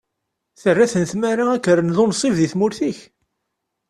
Terra-ten tmara ad k-rren d unsib deg tmurt-ik.